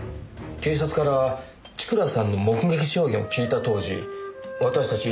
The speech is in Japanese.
警察から千倉さんの目撃証言を聞いた当時私たち